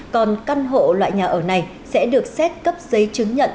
còn căn hộ loại nhà ở này sẽ được xét cấp giấy chứng nhận